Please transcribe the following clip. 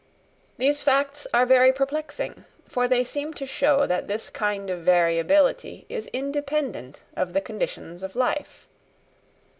These facts are very perplexing, for they seem to show that this kind of variability is independent of the conditions of life.